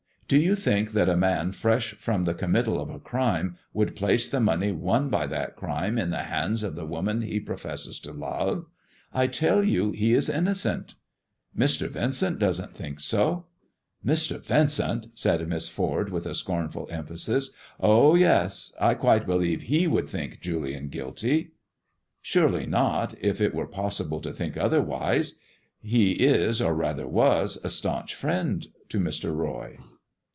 Do you think that a man fresh from the committal of a crime would place the money won by that crime in the hands of the woman he professes to love 1 I tell you he is innocent." " Mr. Yincent doesn't think so." " Mr. Yincent !" said Miss Ford, with scornful emphasis. " Oh, yes ! I quite believe he would think Julian guilty." THE GBEEN STONB GOD AND THE STOCKBROKER 269 " Surely not if it were possible to think otherwise t He is, or rather was, a staunch friend to Mr. Boy."